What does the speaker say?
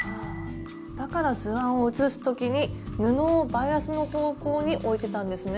だから図案を写す時に布をバイアスの方向に置いてたんですね。